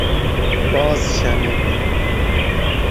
بازشَمید